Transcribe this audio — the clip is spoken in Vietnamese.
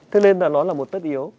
thế nên là nó là một tất yếu